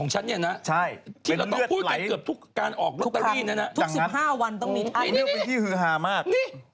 นี่ตรงไหนเป็นรอยเลือด